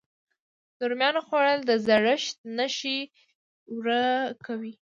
د رومیانو خووړل د زړښت نښې ورو کوي.